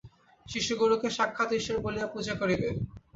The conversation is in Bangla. শিষ্য গুরুকে সাক্ষাৎ ঈশ্বর বলিয়া পূজা করিবে।